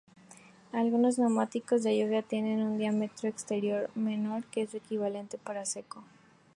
Algunos neumáticos de lluvia tienen un diámetro exterior menor que sus equivalentes para seco.